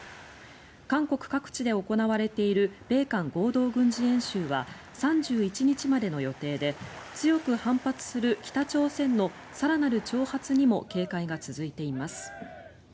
韓国各地で行われている米韓合同軍事演習は３１日までの予定で強く反発する北朝鮮の更なる挑発にも警戒が続いています。